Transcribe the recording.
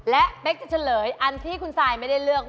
และเป๊กจะเฉลยอันที่คุณซายไม่ได้เลือก